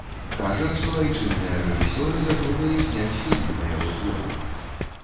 Кажа, што айчынныя рэжысёры гатовыя зняць фільм па яго творах.